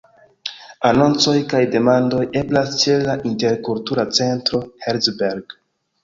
Anoncoj kaj demandoj eblas ĉe la Interkultura Centro Herzberg.